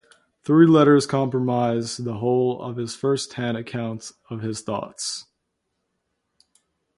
Three letters comprise the whole of his first-hand accounts of his thoughts.